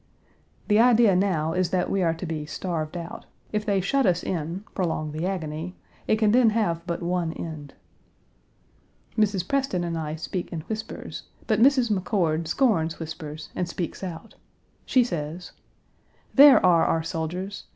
" The idea now is that we are to be starved out. If they shut us in, prolong the agony, it can then have but one end. Mrs. Preston and I speak in whispers, but Mrs. McCord Page 175 scorns whispers, and speaks out. She says: "There are our soldiers.